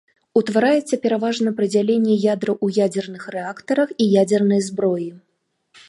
Утвараецца пераважна пры дзяленні ядраў у ядзерных рэактарах і ядзернай зброі.